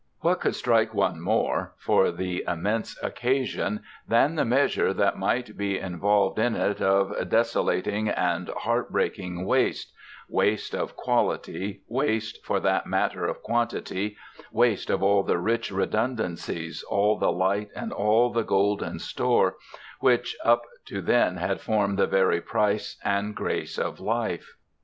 What could strike one more, for the immense occasion, than the measure that might be involved in it of desolating and heart breaking waste, waste of quality, waste for that matter of quantity, waste of all the rich redundancies, all the light and all the golden store, which up to then had formed the very price and grace of life?